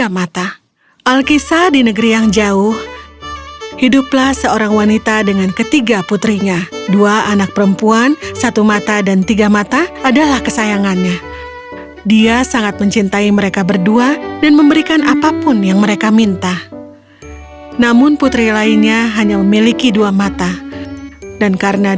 satu mata dua mata dan tiga mata